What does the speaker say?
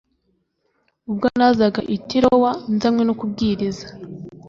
ubwo nazaga i tirowa nzanywe no kubwiriza